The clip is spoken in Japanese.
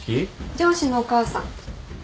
上司のお母さん。